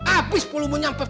abis puluh menyangpe